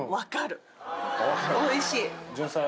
おいしい。